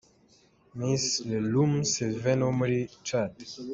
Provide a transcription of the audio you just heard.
Miss Leloum Sylvaine wo muri Chad.